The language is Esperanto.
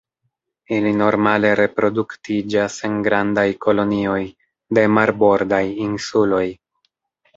Ili normale reproduktiĝas en grandaj kolonioj de marbordaj insuloj.